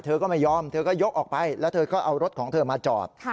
เธอก็ไม่ยอมเธอก็ยกออกไปแล้วเธอก็เอารถของเธอมาจอด